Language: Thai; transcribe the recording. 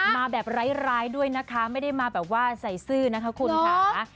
มาแบบร้ายด้วยนะคะไม่ได้มาแบบว่าใส่ซื่อนะคะคุณค่ะ